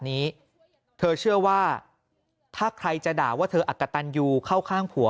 นี้เธอเชื่อว่าถ้าใครจะด่าว่าเธออักกะตันยูเข้าข้างผัว